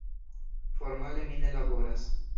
Formale mi ne laboras.